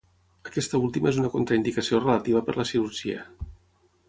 Aquesta última és una contraindicació relativa per la cirurgia.